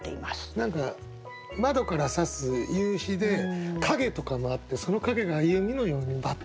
何か窓からさす夕日で陰とかもあってその陰が弓のようにバッっていうね。